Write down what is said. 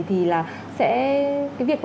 thì là cái việc